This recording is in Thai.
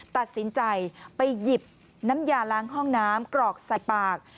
ตัดสินใจไปหยิบน้ำยาล้างห้องน้ำกรอกใส่ปาก